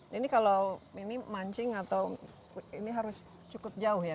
jadi kalau ini mancing atau ini harus cukup jauh ya